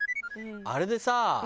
あれでさ